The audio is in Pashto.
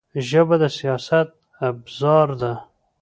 ژبه د سیاست ابزار ده